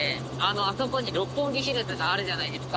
あそこに六本木ヒルズがあるじゃないですか。